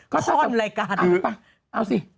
คนละการอ้าวเอาสิ